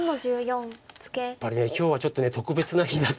やっぱり今日はちょっと特別な日だと思います。